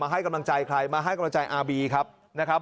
ให้กำลังใจใครมาให้กำลังใจอาบีครับนะครับ